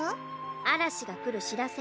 あらしがくるしらせ。